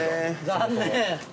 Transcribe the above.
残念。